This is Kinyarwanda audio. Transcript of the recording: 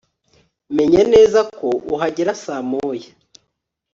Menya neza ko uhagera saa moya